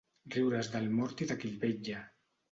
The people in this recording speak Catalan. Riure's del mort i de qui el vetlla.